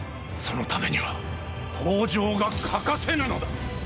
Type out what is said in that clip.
そのためには北条が欠かせぬのだ。